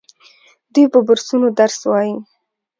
دوی په بورسونو درس وايي.